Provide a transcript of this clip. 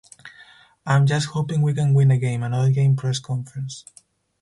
I'm just hoping we can win a game, another game press conference.